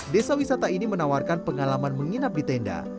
desa wisata ini menawarkan pengalaman menginap di tenda